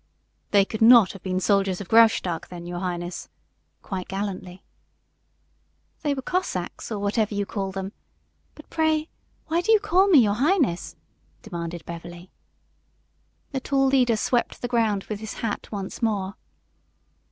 "They could not have been soldiers of Graustark, then, your highness," quite gallantly. "They were Cossacks, or whatever you call them. But, pray, why do you call me 'your highness'?" demanded Beverly. The tall leader swept the ground with his hat once more.